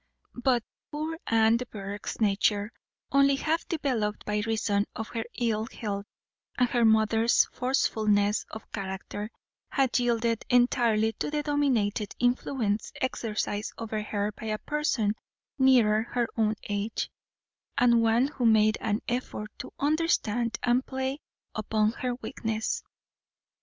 But poor Anne de Bourgh's nature, only half developed by reason of her ill health and her mother's forcefulness of character, had yielded entirely to the dominating influence exercised over her by a person nearer her own age, and one who made an effort to understand and play upon her weakness.